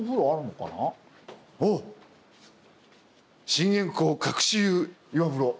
「信玄公隠し湯岩風呂」。